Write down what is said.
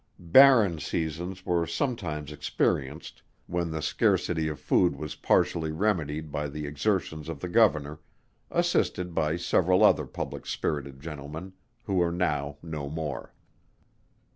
Barren seasons were sometimes experienced, when the scarcity of food was partially remedied by the exertions of the Governor, assisted by several other public spirited gentlemen, who are now no more.